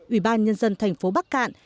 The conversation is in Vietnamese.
ủy ban nhân dân thành phố bắc cạn